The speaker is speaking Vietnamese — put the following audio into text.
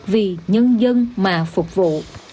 vì nhân dân mà phục vụ